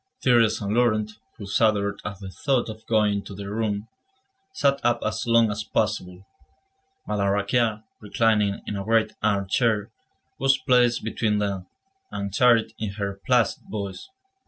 Thérèse and Laurent, who shuddered at the thought of going to their room, sat up as long as possible. Madame Raquin, reclining in a great armchair, was placed between them, and chatted in her placid voice.